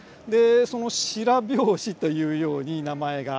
その白拍子というように名前が。